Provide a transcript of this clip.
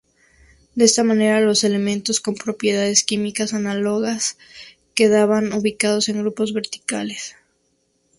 De esta manera, los elementos con propiedades químicas análogas, quedaban ubicados en grupos verticales.